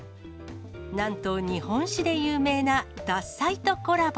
なんと日本酒で有名な獺祭とコラボ。